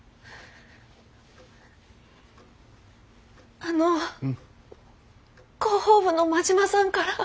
あの広報部の真島さんから。